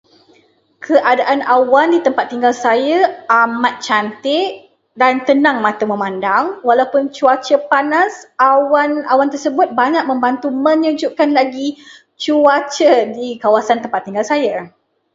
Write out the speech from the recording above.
Keadaan awan di tempat tinggal saya amat cantik dan tenang mata memandang. Walaupun cuaca panas, awan-awan tersebut banyak membantu menyejukkan lagi cuaca di kawasan tempat tinggal saya.